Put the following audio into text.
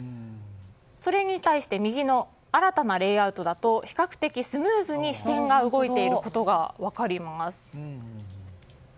それに対して右の新たなレイアウトだと比較的スムーズに視点が動いていることが分かります。